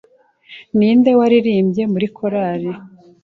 Ninde waririmbye muri korari